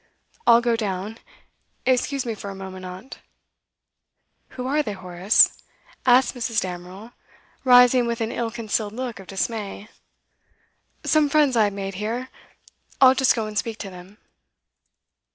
'I'll go down. Excuse me for a moment, aunt.' 'Who are they, Horace?' asked Mrs. Damerel, rising with an ill concealed look of dismay. 'Some friends I have made here. I'll just go and speak to them.